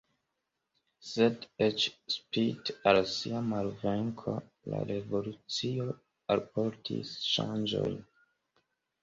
Sed eĉ spite al sia malvenko la revolucio alportis ŝanĝojn.